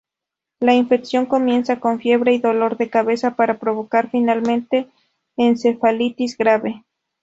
La infección comienza con fiebre y dolor de cabeza, para provocar finalmente encefalitis grave.